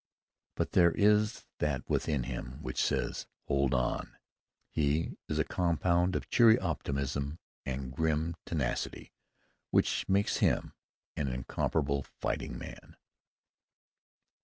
But there is that within him which says, "Hold on!" He is a compound of cheery optimism and grim tenacity which makes him an incomparable fighting man.